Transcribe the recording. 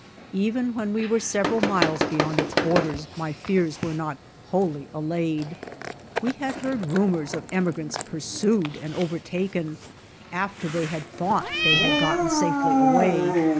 Even when we were several miles beyond its borders, my fears were not wholly allayed. We had heard rumors of emigrants pursued and over taken, after they had thought they had gotten safely away.